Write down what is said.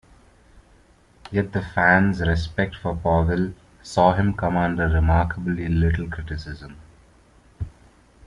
Yet the fans' respect for Powell saw him come under remarkably little criticism.